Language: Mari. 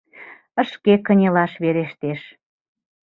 Шке кынелаш верештеш.